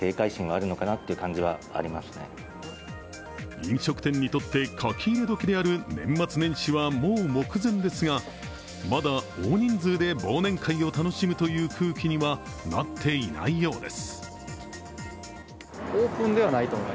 飲食店にとって書き入れ時である年末年始はもう目前ですが、まだ大人数で忘年会を楽しむという空気にはなっていないようです。